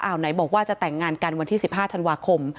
ไหนบอกว่าจะแต่งงานกันวันที่๑๕ธันวาคม